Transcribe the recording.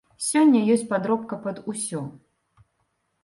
Сёння ёсць падробка пад усё.